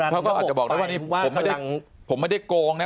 เขาก็อาจจะบอกว่าผมไม่ได้โกงนะ